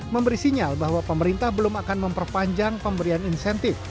memberi sinyal bahwa pemerintah belum akan memperpanjang pemberian insentif